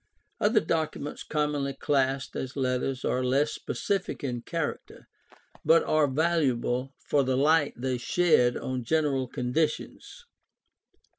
Other documents commonly classed as letters are less specific in character but are valuable for the light they shed on general conditions.